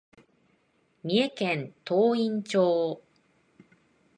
三重県東員町